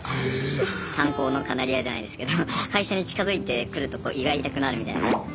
「炭鉱のカナリア」じゃないですけど会社に近づいてくると胃が痛くなるみたいな感じで。